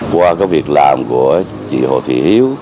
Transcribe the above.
qua cái việc làm của chị hồ thị hiếu